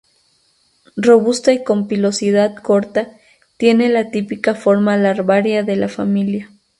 Robusta y con pilosidad corta, tiene la típica forma larvaria de la familia.